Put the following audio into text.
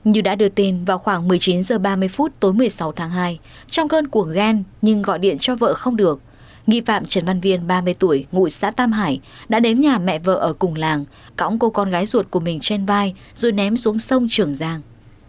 như đã đưa tin vào khoảng một mươi chín h ba mươi phút tối một mươi sáu tháng hai trong cơn cua ghen nhưng gọi điện cho vợ không được nghi phạm trần văn viên ba mươi tuổi ngụ xã tam hải đã đến nhà mẹ vợ ở cùng làng cõng cô con gái ruột của mình trên vai rồi ném xuống sông trường giang